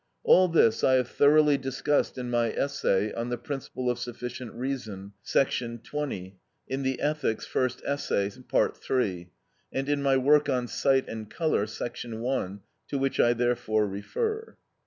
All this I have thoroughly discussed in my essay on the principle of sufficient reason, § 20, in the "Ethics," first essay, iii., and in my work on Sight and Colour, § 1, to which I therefore refer.